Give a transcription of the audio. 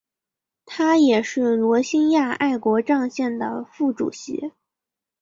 他也是罗兴亚爱国障线的副主席。